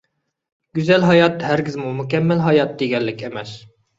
گۈزەل ھايات ھەرگىزمۇ مۇكەممەل ھايات دېگەنلىك ئەمەس.